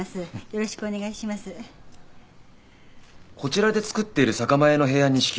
こちらで作っている酒米の平安錦